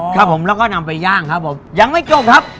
ครับผมแล้วก็นำไปย่างครับผมยังไม่จบครับ